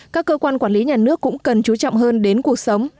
các cơ quan quản lý nhà nước cũng cần chú trọng hơn đến cuộc sống